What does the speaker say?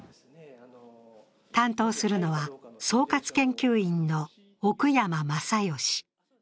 担当するのは、総括研究員の奥山誠義。